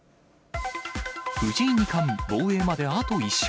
藤井二冠、防衛まであと１勝。